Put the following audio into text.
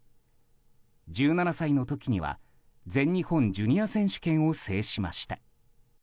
１７歳の時には、全日本ジュニア選手権を制しました。